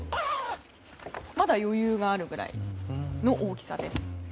まだ余裕があるくらいの大きさです。